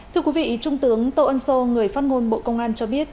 thưa quý vị trung tướng tô ân sô người phát ngôn bộ công an cho biết